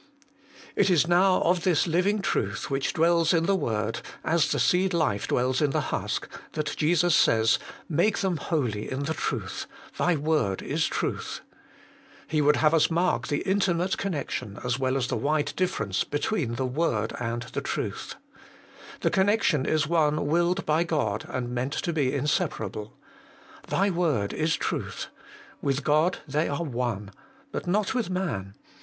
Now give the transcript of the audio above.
It is now of this living Truth, which dwells in the word, as the seed life dwells in the husk, that Jesus says, ' Make them holy in the Truth : Thy word is Truth.' He would have us mark the inti HOLINESS AND TRUTH. 145 mate connection, as well as the wide difference, between the word and the truth. The connection is one willed by God and meant to be inseparable. ' Thy word is truth ;' with God they are one. But not with man.